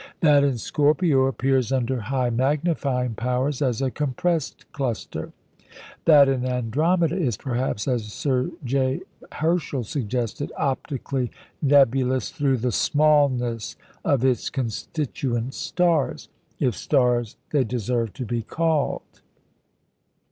That in Scorpio appears under high magnifying powers as a "compressed cluster"; that in Andromeda is perhaps, as Sir J. Herschel suggested, "optically nebulous through the smallness of its constituent stars" if stars they deserve to be called.